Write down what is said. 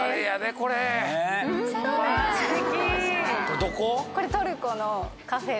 これどこ？